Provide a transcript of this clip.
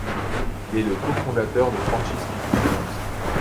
Il est le cofondateur de Franchise Pictures.